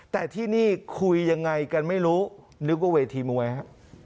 แต่ที่นี่คุยยังไงกันไม่รู้นึกว่าเวทีมวยฮะ